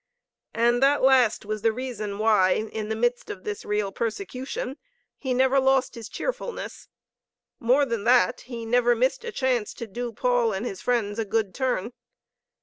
And that last was the reason why, in the midst of this real persecution, he never lost his cheerfulness. More than that, he never missed a chance to do Paul and his friends a good turn.